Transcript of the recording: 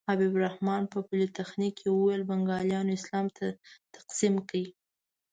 حبیب الرحمن په پولتخنیک کې وویل بنګالیانو اسلام تقسیم کړ.